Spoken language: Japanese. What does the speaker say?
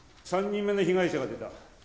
３人目の被害者が出た。